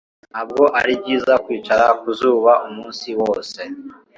Ntabwo ari byiza kwicara ku zuba umunsi wose